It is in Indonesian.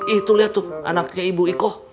ih tuh liat tuh anaknya ibu iko